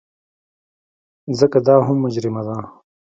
ځکه دا هم مجرمه ده.